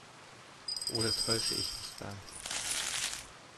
Oder täusche ich mich da?